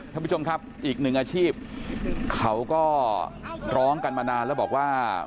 ท่านผู้ชมครับอีกหนึ่งอาชีพเขาก็ร้องกันมานานแล้วบอกว่า